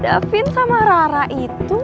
davin sama rara itu